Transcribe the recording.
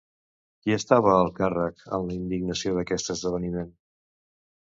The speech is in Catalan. Qui estava al càrrec en la indagació d'aquest esdeveniment?